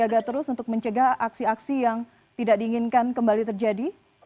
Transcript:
menjaga terus untuk mencegah aksi aksi yang tidak diinginkan kembali terjadi